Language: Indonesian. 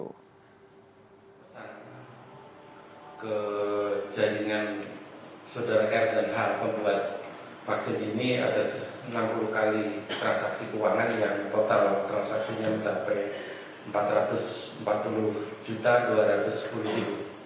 pada saat kejaringan saudara kara dan hal pembuat vaksin ini ada enam puluh kali transaksi keuangan yang total transaksinya mencapai rp empat ratus empat puluh dua ratus sepuluh